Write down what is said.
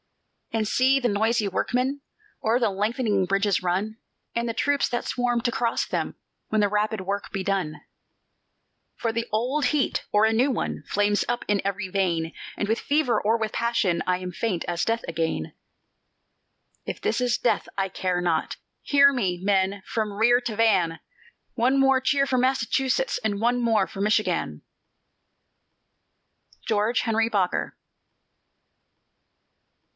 "And see the noisy workmen O'er the lengthening bridges run, And the troops that swarm to cross them When the rapid work be done. "For the old heat, or a new one, Flames up in every vein; And with fever or with passion I am faint as death again. "If this is death, I care not! Hear me, men, from rear to van! One more cheer for Massachusetts, And one more for Michigan!" GEORGE HENRY BOKER.